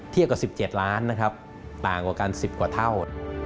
เทียบกับ๑๗ล้านนะครับต่างกว่ากัน๑๐กว่าเท่า